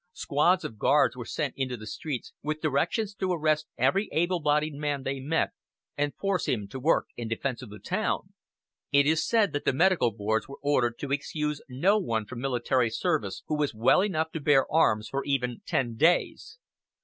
Squads of guards were sent into the streets with directions to arrest every able bodied man they met, and force him to work in defense of the town. It is said that the medical boards were ordered to excuse no one from military service who was well enough to bear arms for even ten days.